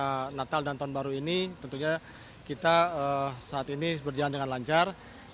pada natal dan tahun baru ini tentunya kita saat ini berjalan dengan lancar